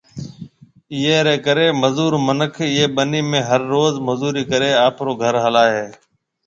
ايئيَ رَي ڪرَي مزور مِنک ايئيَ ٻنِي ۾ ھر روز مزوري ڪرَي آپرو گھر ھلائيَ ھيََََ